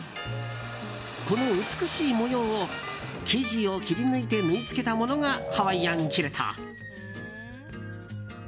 この美しい模様を生地を切り抜いて縫い付けたものがハワイアンキルト。